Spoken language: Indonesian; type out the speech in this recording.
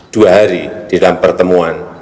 dua hari di dalam pertemuan